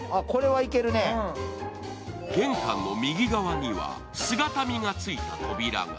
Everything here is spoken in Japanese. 玄関の右側には姿見のついた扉が。